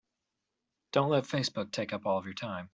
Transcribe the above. Don't let Facebook take up all of your time.